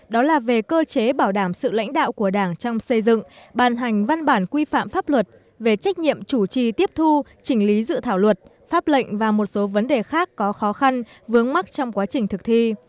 đó là về cơ chế bảo đảm sự lãnh đạo của đảng trong xây dựng ban hành văn bản quy phạm pháp luật về trách nhiệm chủ trì tiếp thu chỉnh lý dự thảo luật pháp lệnh và một số vấn đề khác có khó khăn vướng mắc trong quá trình thực thi